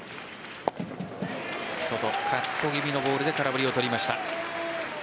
外、カット気味のボールで空振りを取りました。